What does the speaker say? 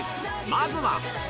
まずは。